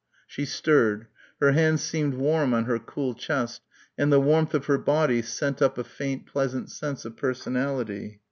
She stirred; her hands seemed warm on her cool chest and the warmth of her body sent up a faint pleasant sense of personality.